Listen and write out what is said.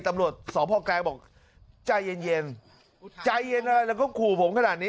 ตำรวจสพแกลงบอกใจเย็นเย็นใจเย็นอะไรแล้วก็ขู่ผมขนาดนี้